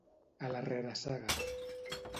A la reressaga.